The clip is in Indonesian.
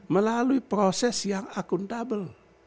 melalui proses yang akuntabel